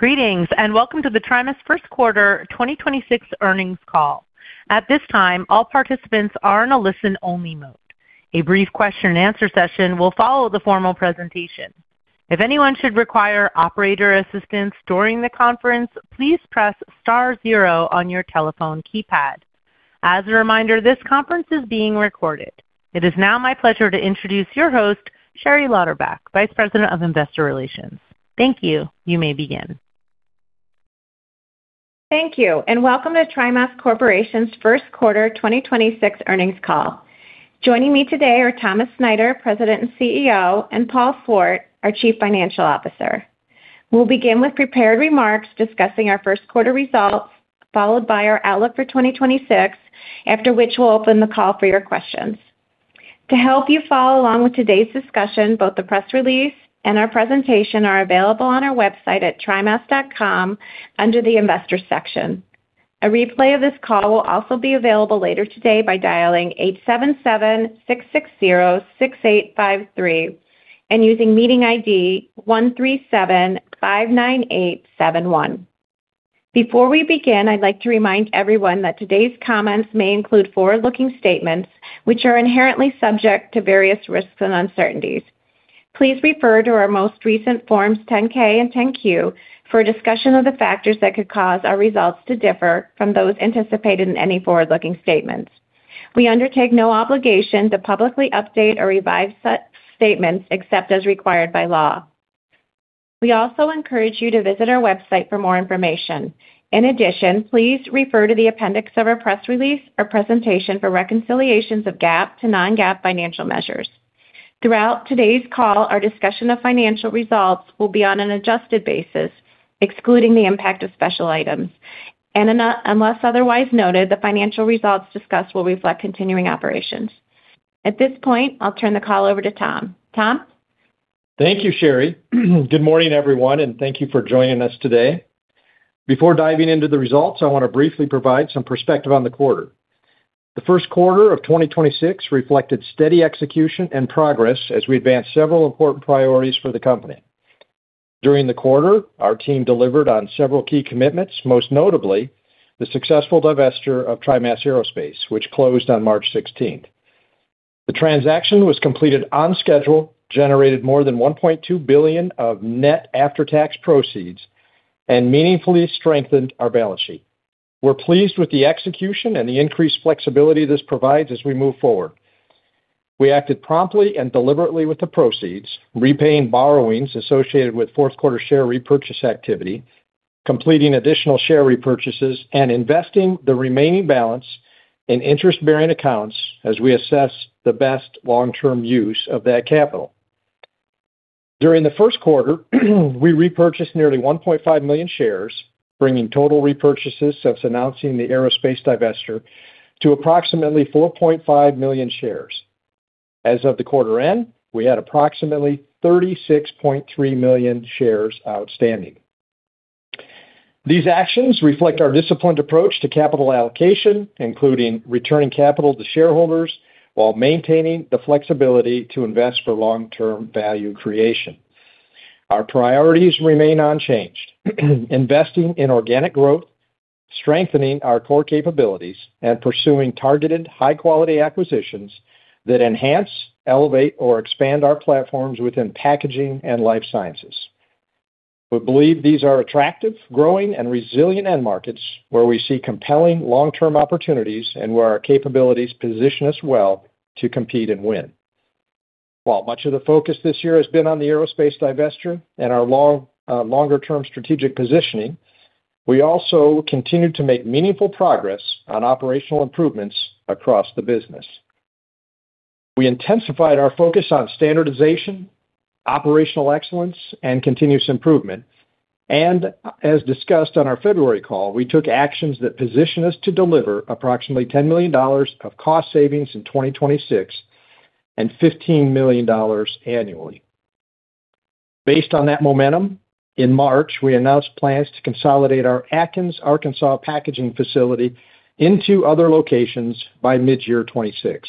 Greetings, and welcome to the TriMas first quarter 2026 earnings call. At this time, all participants are in a listen-only mode. A brief question-and-answer session will follow the formal presentation. If anyone should require operator assistance during the conference, please press star zero on your telephone keypad. As a reminder, this conference is being recorded. It is now my pleasure to introduce your host, Sherry Lauderback, Vice President of Investor Relations. Thank you. You may begin. Thank you, welcome to TriMas Corporation's first quarter 2026 earnings call. Joining me today are Thomas Snyder, President and CEO, and Paul Swart, our Chief Financial Officer. We'll begin with prepared remarks discussing our first quarter results, followed by our outlook for 2026, after which we'll open the call for your questions. To help you follow along with today's discussion, both the press release and our presentation are available on our website at trimas.com under the Investor section. Before we begin, I'd like to remind everyone that today's comments may include forward-looking statements which are inherently subject to various risks and uncertainties. Please refer to our most recent Forms 10-K and Form 10-Q for a discussion of the factors that could cause our results to differ from those anticipated in any forward-looking statements. We undertake no obligation to publicly update or revise such statements except as required by law. We also encourage you to visit our website for more information. In addition, please refer to the appendix of our press release or presentation for reconciliations of GAAP to non-GAAP financial measures. Throughout today's call, our discussion of financial results will be on an adjusted basis, excluding the impact of special items. Unless otherwise noted, the financial results discussed will reflect continuing operations. At this point, I'll turn the call over to Tom. Tom? Thank you, Sherry. Good morning, everyone, and thank you for joining us today. Before diving into the results, I wanna briefly provide some perspective on the quarter. The first quarter of 2026 reflected steady execution and progress as we advanced several important priorities for the company. During the quarter, our team delivered on several key commitments, most notably the successful divestiture of TriMas Aerospace, which closed on March 16th. The transaction was completed on schedule, generated more than $1.2 billion of net after-tax proceeds, and meaningfully strengthened our balance sheet. We're pleased with the execution and the increased flexibility this provides as we move forward. We acted promptly and deliberately with the proceeds, repaying borrowings associated with fourth quarter share repurchase activity, completing additional share repurchases, and investing the remaining balance in interest-bearing accounts as we assess the best long-term use of that capital. During the first quarter, we repurchased nearly 1.5 million shares, bringing total repurchases since announcing the aerospace divestiture to approximately 4.5 million shares. As of the quarter end, we had approximately 36.3 million shares outstanding. These actions reflect our disciplined approach to capital allocation, including returning capital to shareholders while maintaining the flexibility to invest for long-term value creation. Our priorities remain unchanged: investing in organic growth, strengthening our core capabilities, and pursuing targeted high-quality acquisitions that enhance, elevate, or expand our platforms within packaging and life sciences. We believe these are attractive, growing, and resilient end markets where we see compelling long-term opportunities and where our capabilities position us well to compete and win. While much of the focus this year has been on the aerospace divestiture and our longer-term strategic positioning, we also continued to make meaningful progress on operational improvements across the business. We intensified our focus on standardization, operational excellence, and continuous improvement. As discussed on our February call, we took actions that position us to deliver approximately $10 million of cost savings in 2026 and $15 million annually. Based on that momentum, in March, we announced plans to consolidate our Atkins, Arkansas packaging facility into other locations by mid-year 2026.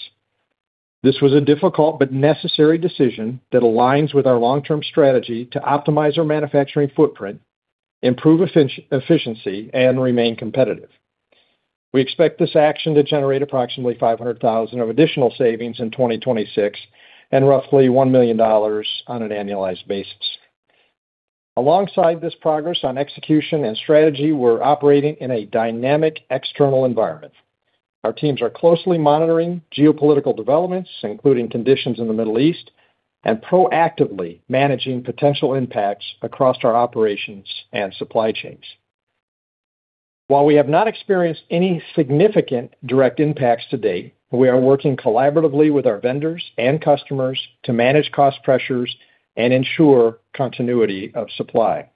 This was a difficult but necessary decision that aligns with our long-term strategy to optimize our manufacturing footprint, improve efficiency, and remain competitive. We expect this action to generate approximately $500,000 of additional savings in 2026 and roughly $1 million on an annualized basis. Alongside this progress on execution and strategy, we're operating in a dynamic external environment. Our teams are closely monitoring geopolitical developments, including conditions in the Middle East, and proactively managing potential impacts across our operations and supply chains. While we have not experienced any significant direct impacts to date, we are working collaboratively with our vendors and customers to manage cost pressures and ensure continuity of supply.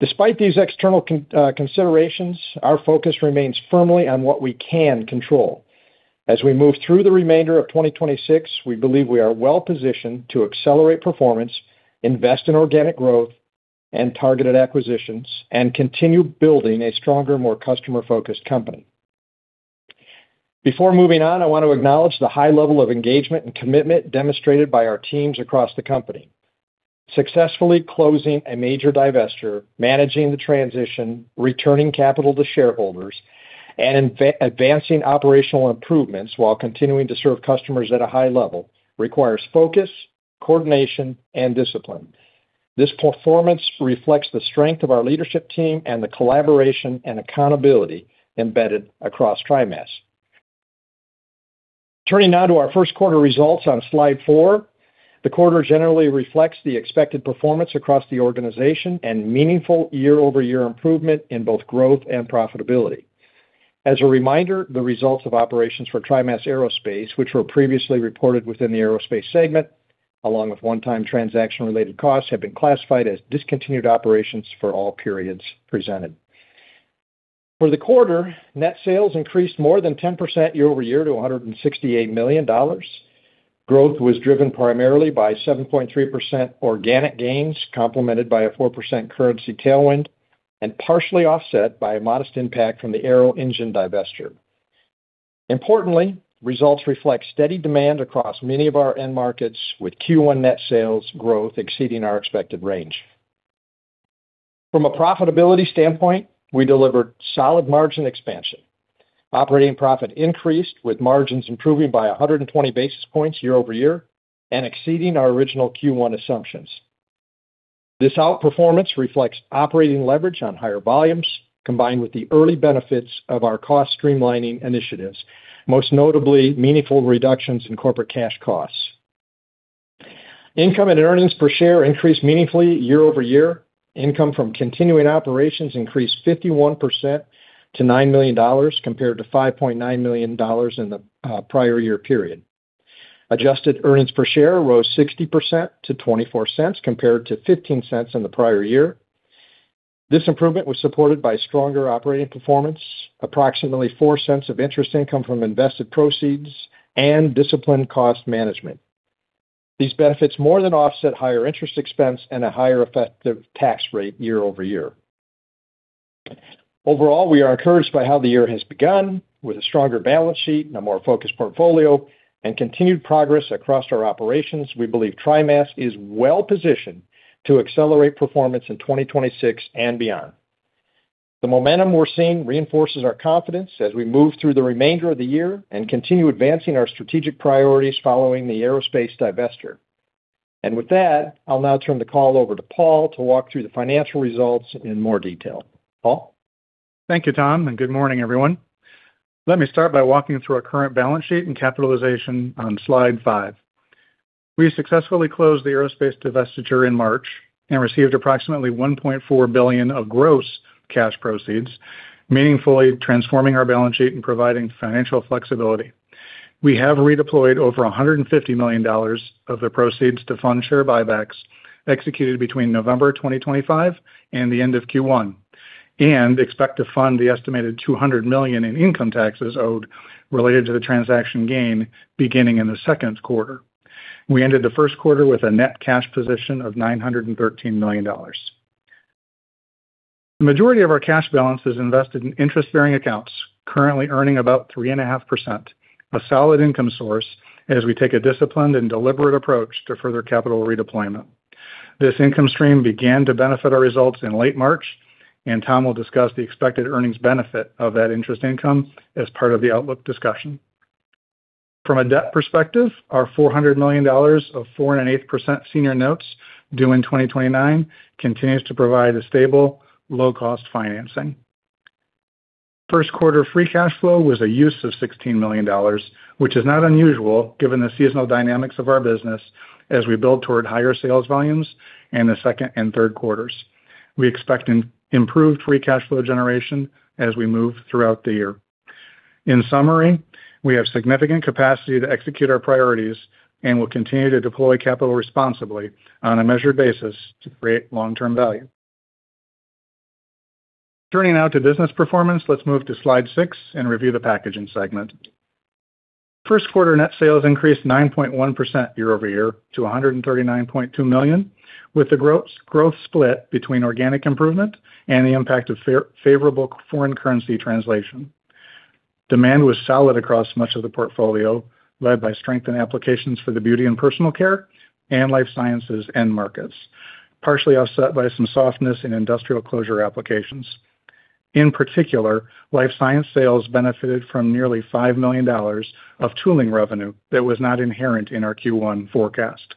Despite these external considerations, our focus remains firmly on what we can control. As we move through the remainder of 2026, we believe we are well-positioned to accelerate performance, invest in organic growth and targeted acquisitions, and continue building a stronger, more customer-focused company. Before moving on, I want to acknowledge the high level of engagement and commitment demonstrated by our teams across the company. Successfully closing a major divestiture, managing the transition, returning capital to shareholders, and advancing operational improvements while continuing to serve customers at a high level requires focus, coordination, and discipline. This performance reflects the strength of our leadership team and the collaboration and accountability embedded across TriMas. Turning now to our first quarter results on slide four. The quarter generally reflects the expected performance across the organization and meaningful year-over-year improvement in both growth and profitability. As a reminder, the results of operations for TriMas Aerospace, which were previously reported within the aerospace segment, along with one-time transaction-related costs, have been classified as discontinued operations for all periods presented. For the quarter, net sales increased more than 10% year-over-year to $168 million. Growth was driven primarily by 7.3% organic gains, complemented by a 4% currency tailwind and partially offset by a modest impact from the Arrow Engine divestiture. Importantly, results reflect steady demand across many of our end markets, with Q1 net sales growth exceeding our expected range. From a profitability standpoint, we delivered solid margin expansion. Operating profit increased with margins improving by 120 basis points year over year and exceeding our original Q1 assumptions. This outperformance reflects operating leverage on higher volumes, combined with the early benefits of our cost streamlining initiatives, most notably meaningful reductions in corporate cash costs. Income and earnings per share increased meaningfully year over year. Income from continuing operations increased 51% to $9 million compared to $5.9 million in the prior year period. Adjusted earnings per share rose 60% to $0.24 compared to $0.15 in the prior year. This improvement was supported by stronger operating performance, approximately $0.04 of interest income from invested proceeds, and disciplined cost management. These benefits more than offset higher interest expense and a higher effective tax rate year-over-year. Overall, we are encouraged by how the year has begun with a stronger balance sheet and a more focused portfolio and continued progress across our operations. We believe TriMas is well-positioned to accelerate performance in 2026 and beyond. The momentum we're seeing reinforces our confidence as we move through the remainder of the year and continue advancing our strategic priorities following the aerospace divestiture. With that, I'll now turn the call over to Paul to walk through the financial results in more detail. Paul? Thank you, Tom, and good morning, everyone. Let me start by walking through our current balance sheet and capitalization on slide five. We successfully closed the aerospace divestiture in March and received approximately $1.4 billion of gross cash proceeds, meaningfully transforming our balance sheet and providing financial flexibility. We have redeployed over $150 million of the proceeds to fund share buybacks executed between November 2025 and the end of Q1, and expect to fund the estimated $200 million in income taxes owed related to the transaction gain beginning in the second quarter. We ended the first quarter with a net cash position of $913 million. The majority of our cash balance is invested in interest-bearing accounts currently earning about 3.5%, a solid income source as we take a disciplined and deliberate approach to further capital redeployment. This income stream began to benefit our results in late March. Tom will discuss the expected earnings benefit of that interest income as part of the outlook discussion. From a debt perspective, our $400 million of 4.8% senior notes due in 2029 continues to provide a stable, low-cost financing. First quarter free cash flow was a use of $16 million, which is not unusual given the seasonal dynamics of our business as we build toward higher sales volumes in the second and third quarters. We expect improved free cash flow generation as we move throughout the year. In summary, we have significant capacity to execute our priorities and will continue to deploy capital responsibly on a measured basis to create long-term value. Turning now to business performance, let's move to slide six and review the packaging segment. First quarter net sales increased 9.1% year-over-year to $139.2 million, with the growth split between organic improvement and the impact of favorable foreign currency translation. Demand was solid across much of the portfolio, led by strength in applications for the beauty and personal care and life sciences end markets, partially offset by some softness in industrial closure applications. In particular, life science sales benefited from nearly $5 million of tooling revenue that was not inherent in our Q1 forecast.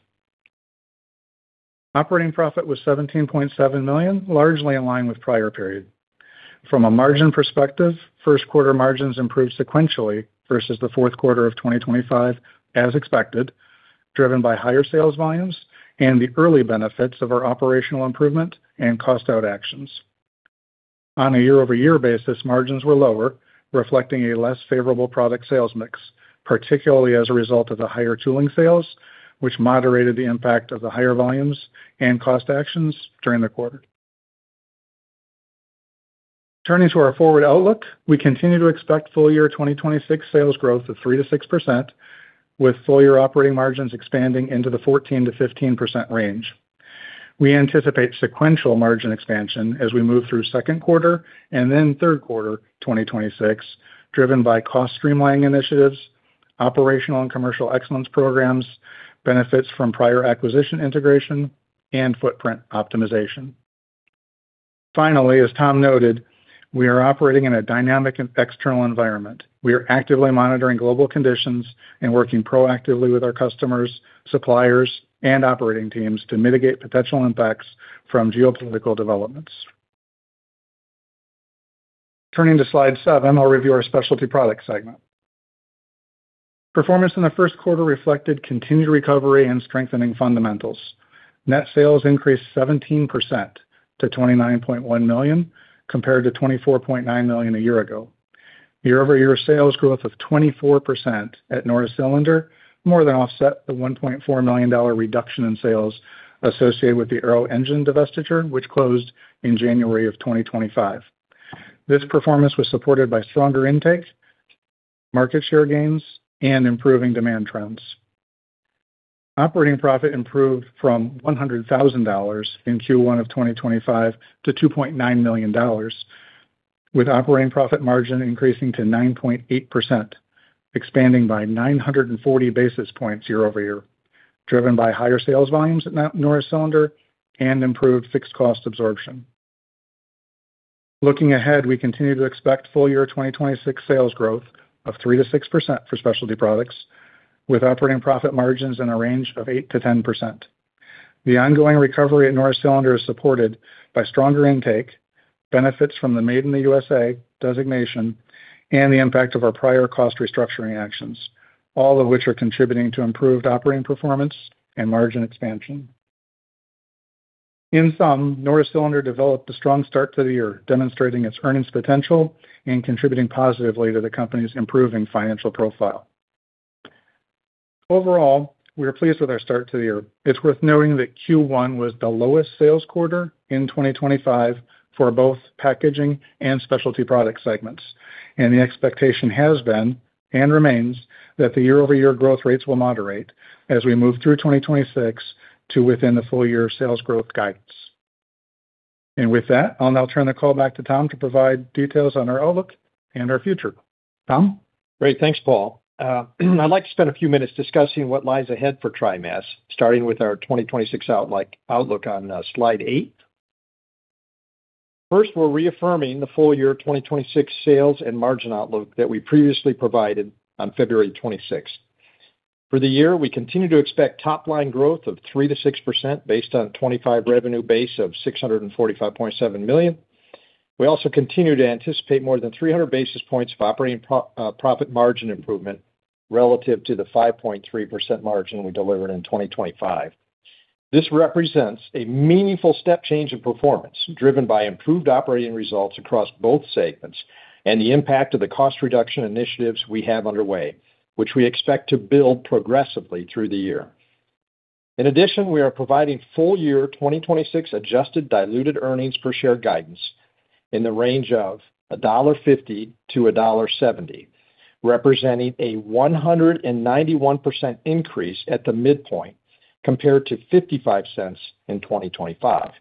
Operating profit was $17.7 million, largely in line with prior period. From a margin perspective, first quarter margins improved sequentially versus the fourth quarter of 2025 as expected, driven by higher sales volumes and the early benefits of our operational improvement and cost-out actions. On a year-over-year basis, margins were lower, reflecting a less favorable product sales mix, particularly as a result of the higher tooling sales, which moderated the impact of the higher volumes and cost actions during the quarter. Turning to our forward outlook, we continue to expect full year 2026 sales growth of 3%-6%, with full year operating margins expanding into the 14%-15% range. We anticipate sequential margin expansion as we move through second quarter and then third quarter 2026, driven by cost streamlining initiatives, operational and commercial excellence programs, benefits from prior acquisition integration, and footprint optimization. Finally, as Tom noted, we are operating in a dynamic and external environment. We are actively monitoring global conditions and working proactively with our customers, suppliers, and operating teams to mitigate potential impacts from geopolitical developments. Turning to slide seven, I'll review our specialty product segment. Performance in the first quarter reflected continued recovery and strengthening fundamentals. Net sales increased 17% to $29.1 million, compared to $24.9 million a year ago. Year-over-year sales growth of 24% at Norris Cylinder more than offset the $1.4 million reduction in sales associated with the Arrow Engine divestiture, which closed in January of 2025. This performance was supported by stronger intake, market share gains, and improving demand trends. Operating profit improved from $100,000 in Q1 of 2025 to $2.9 million, with operating profit margin increasing to 9.8%, expanding by 940 basis points year-over-year, driven by higher sales volumes at Norris Cylinder and improved fixed cost absorption. Looking ahead, we continue to expect full year 2026 sales growth of 3% to 6% for specialty products, with operating profit margins in a range of 8%-10%. The ongoing recovery at Norris Cylinder is supported by stronger intake, benefits from the Made in the USA designation, and the impact of our prior cost restructuring actions, all of which are contributing to improved operating performance and margin expansion. In sum, Norris Cylinder developed a strong start to the year, demonstrating its earnings potential and contributing positively to the company's improving financial profile. Overall, we are pleased with our start to the year. It's worth noting that Q1 was the lowest sales quarter in 2025 for both packaging and specialty product segments. The expectation has been and remains that the year-over-year growth rates will moderate as we move through 2026 to within the full year sales growth guidance. With that, I'll now turn the call back to Tom to provide details on our outlook and our future. Tom? Great. Thanks, Paul. I'd like to spend a few minutes discussing what lies ahead for TriMas, starting with our 2026 outlook on slide eight. First, we're reaffirming the full year 2026 sales and margin outlook that we previously provided on February 26th. For the year, we continue to expect top-line growth of 3%-6% based on 2025 revenue base of $645.7 million. We also continue to anticipate more than 300 basis points of operating profit margin improvement relative to the 5.3% margin we delivered in 2025. This represents a meaningful step change in performance, driven by improved operating results across both segments and the impact of the cost reduction initiatives we have underway, which we expect to build progressively through the year. We are providing full year 2026 adjusted diluted EPS guidance in the range of $1.50-$1.70, representing a 191% increase at the midpoint compared to $0.55 in 2025.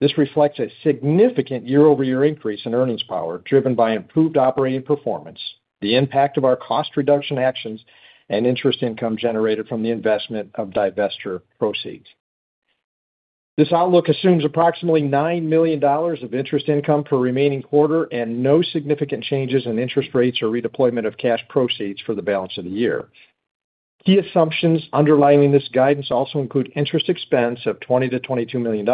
This reflects a significant year-over-year increase in earnings power driven by improved operating performance, the impact of our cost reduction actions, and interest income generated from the investment of divestiture proceeds. This outlook assumes approximately $9 million of interest income per remaining quarter and no significant changes in interest rates or redeployment of cash proceeds for the balance of the year. Key assumptions underlying this guidance also include interest expense of $20 million-$22 million,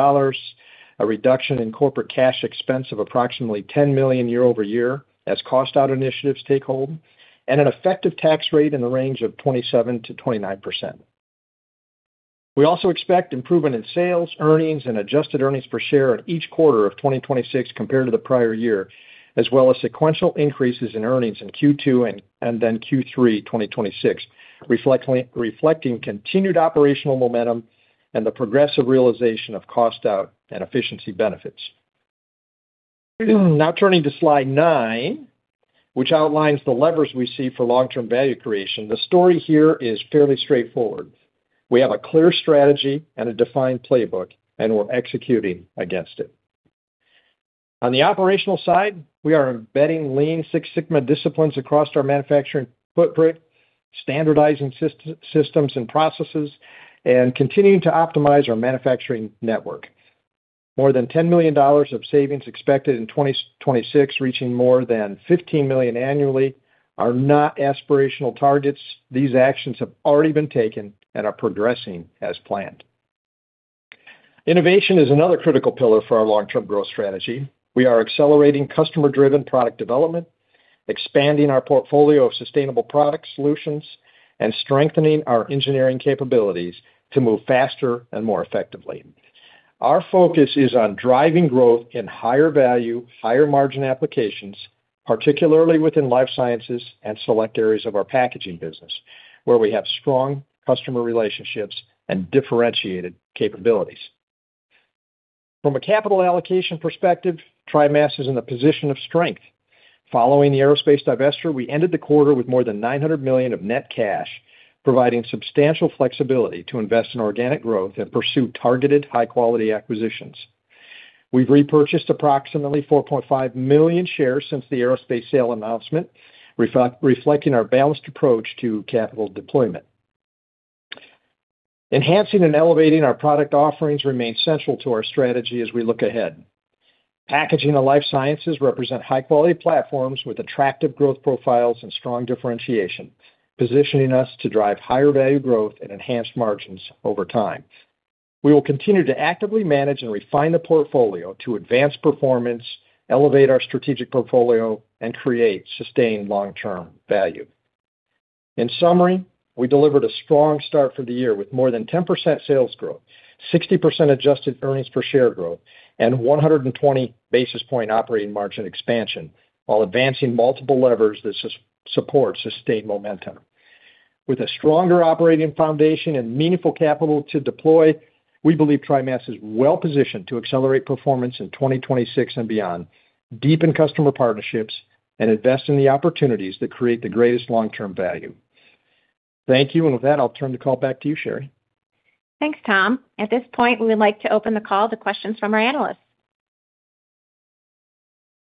a reduction in corporate cash expense of approximately $10 million year-over-year as cost out initiatives take hold, and an effective tax rate in the range of 27%-29%. We also expect improvement in sales, earnings, and adjusted earnings per share in each quarter of 2026 compared to the prior year, as well as sequential increases in earnings in Q2 and then Q3 2026, reflecting continued operational momentum and the progressive realization of cost out and efficiency benefits. Turning to slide 9, which outlines the levers we see for long-term value creation. The story here is fairly straightforward. We have a clear strategy and a defined playbook. We're executing against it. On the operational side, we are embedding Lean Six Sigma disciplines across our manufacturing footprint, standardizing systems and processes, and continuing to optimize our manufacturing network. More than $10 million of savings expected in 2026, reaching more than $15 million annually are not aspirational targets. These actions have already been taken and are progressing as planned. Innovation is another critical pillar for our long-term growth strategy. We are accelerating customer-driven product development, expanding our portfolio of sustainable product solutions, and strengthening our engineering capabilities to move faster and more effectively. Our focus is on driving growth in higher value, higher margin applications, particularly within life sciences and select areas of our packaging business, where we have strong customer relationships and differentiated capabilities. From a capital allocation perspective, TriMas is in a position of strength. Following the Aerospace divestiture, we ended the quarter with more than $900 million of net cash, providing substantial flexibility to invest in organic growth and pursue targeted high-quality acquisitions. We've repurchased approximately 4.5 million shares since the Aerospace sale announcement, reflecting our balanced approach to capital deployment. Enhancing and elevating our product offerings remains central to our strategy as we look ahead. Packaging and life sciences represent high-quality platforms with attractive growth profiles and strong differentiation, positioning us to drive higher value growth and enhanced margins over time. We will continue to actively manage and refine the portfolio to advance performance, elevate our strategic portfolio, and create sustained long-term value. In summary, we delivered a strong start for the year with more than 10% sales growth, 60% adjusted EPS growth, and 120 basis point operating margin expansion while advancing multiple levers that supports sustained momentum. With a stronger operating foundation and meaningful capital to deploy, we believe TriMas is well-positioned to accelerate performance in 2026 and beyond, deepen customer partnerships, and invest in the opportunities that create the greatest long-term value. Thank you. With that, I'll turn the call back to you, Sherry. Thanks, Tom. At this point, we would like to open the call to questions from our analysts.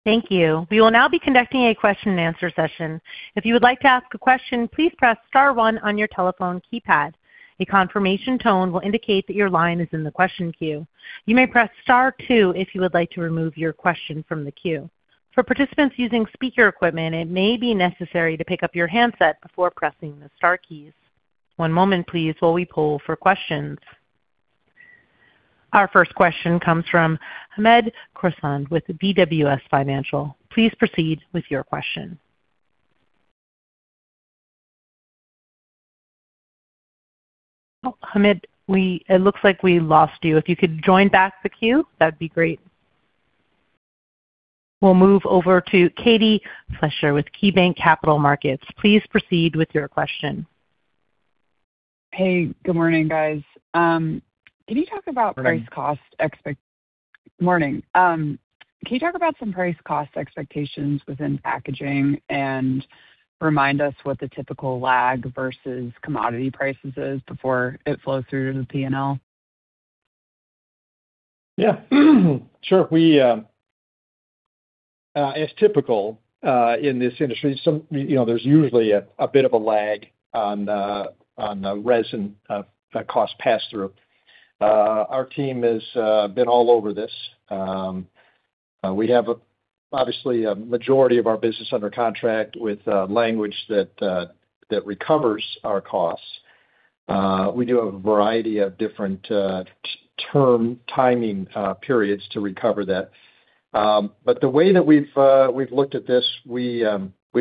Thank you. We will now be conducting a question and answer session. If you would like to ask a question, please press star one on your telephone keypad. A confirmation tone will indicate that your line is in the question queue. You may press star two if you would like to remove your question from the queue. For participants using speaker equipment, it may be necessary to pick up your handset before pressing the star keys. One moment, please, while we poll for questions. Our first question comes from Hamed Khorsand with BWS Financial. Please proceed with your question. Oh, Hamed, it looks like we lost you. If you could join back the queue, that'd be great. We'll move over to Katie Fleischer with KeyBanc Capital Markets. Please proceed with your question. Hey, good morning, guys. Morning. Can you talk about some price cost expectations within packaging and remind us what the typical lag versus commodity prices is before it flows through to the P&L? Yeah. Sure. We, as typical, in this industry, you know, there's usually a bit of a lag on the resin cost pass-through. Our team has been all over this. We have, obviously, a majority of our business under contract with language that recovers our costs. We do have a variety of different term timing periods to recover that. The way that we've looked at this, we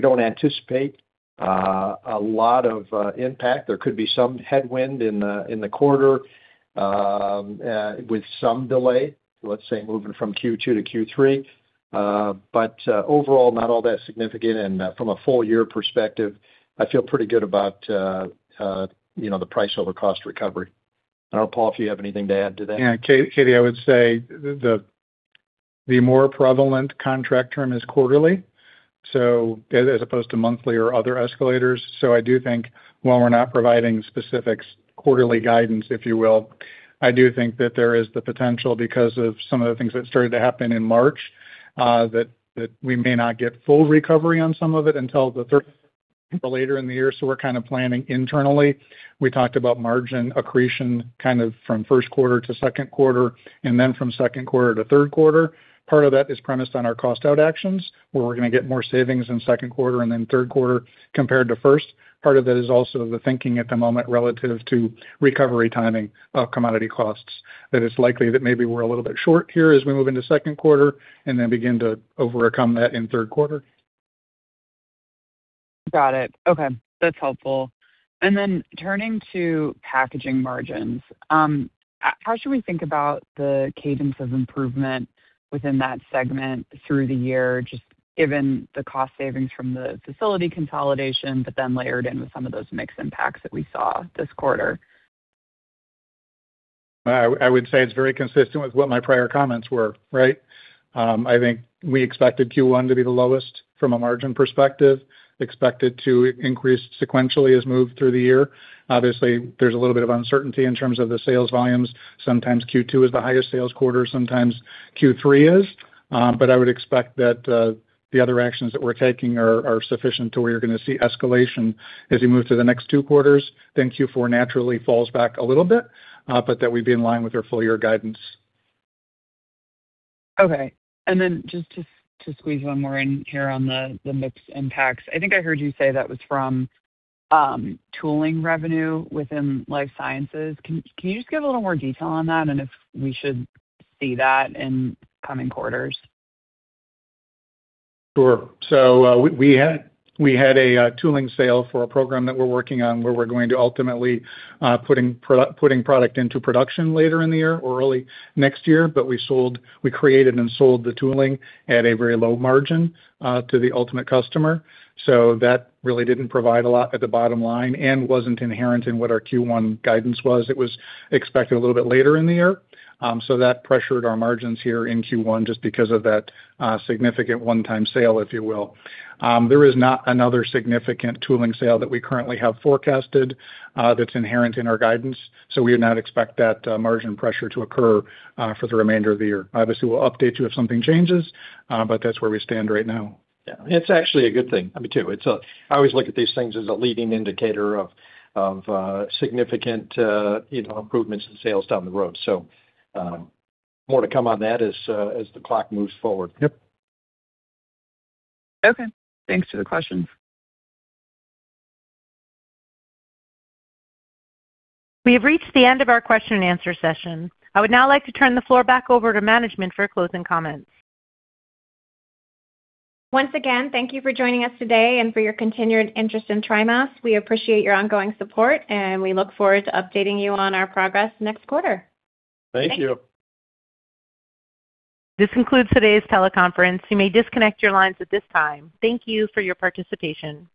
don't anticipate a lot of impact. There could be some headwind in the quarter with some delay, let's say moving from Q2 to Q3. Overall, not all that significant. From a full year perspective, I feel pretty good about, you know, the price over cost recovery. I don't know, Paul, if you have anything to add to that. Yeah. Katie, I would say the more prevalent contract term is quarterly, as opposed to monthly or other escalators. I do think while we're not providing specific quarterly guidance, if you will, I do think that there is the potential because of some of the things that started to happen in March, that we may not get full recovery on some of it until the third or later in the year. We're kind of planning internally. We talked about margin accretion kind of from first quarter to second quarter and then from second quarter to third quarter. Part of that is premised on our cost-out actions, where we're gonna get more savings in second quarter and then third quarter compared to first. Part of that is also the thinking at the moment relative to recovery timing of commodity costs. That it's likely that maybe we're a little bit short here as we move into second quarter and then begin to overcome that in third quarter. Got it. Okay, that's helpful. Turning to packaging margins, how should we think about the cadence of improvement within that segment through the year, just given the cost savings from the facility consolidation, but then layered in with some of those mix impacts that we saw this quarter? I would say it's very consistent with what my prior comments were, I think we expected Q1 to be the lowest from a margin perspective, expect it to increase sequentially as we move through the year. Obviously, there's a little bit of uncertainty in terms of the sales volumes. Sometimes Q2 is the highest sales quarter, sometimes Q3 is. I would expect that the other actions that we're taking are sufficient to where you're gonna see escalation as we move to the next two quarters. Q4 naturally falls back a little bit, but that we'd be in line with our full year guidance. Okay. Then just to squeeze one more in here on the mix impacts. I think I heard you say that was from tooling revenue within life sciences. Can you just give a little more detail on that and if we should see that in coming quarters? Sure. We had a tooling sale for a program that we're working on where we're going to ultimately, putting product into production later in the year or early next year. We created and sold the tooling at a very low margin to the ultimate customer. That really didn't provide a lot at the bottom line and wasn't inherent in what our Q1 guidance was. It was expected a little bit later in the year. That pressured our margins here in Q1 just because of that significant one-time sale, if you will. There is not another significant tooling sale that we currently have forecasted that's inherent in our guidance. We would not expect that margin pressure to occur for the remainder of the year. Obviously, we'll update you if something changes, but that's where we stand right now. Yeah. It's actually a good thing. I mean, too, it's. I always look at these things as a leading indicator of significant, you know, improvements in sales down the road. More to come on that as the clock moves forward. Yep. Okay. Thanks for the question. We have reached the end of our question and answer session. I would now like to turn the floor back over to management for closing comments. Once again, thank you for joining us today and for your continued interest in TriMas. We appreciate your ongoing support, and we look forward to updating you on our progress next quarter. Thank you. Thanks. This concludes today's teleconference. You may disconnect your lines at this time. Thank you for your participation.